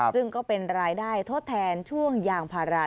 ซึ่งก็เป็นรายได้ทดแทนช่วงยางพารา